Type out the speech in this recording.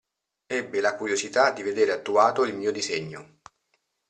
Ebbe la curiosità di vedere attuato il mio disegno.